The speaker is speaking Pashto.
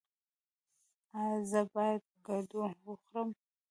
ایا زه باید کدو وخورم؟